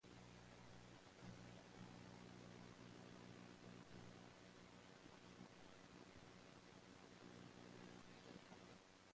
Mai finds Reiko's son Yoichi alone in a shopping mall before his mother appears.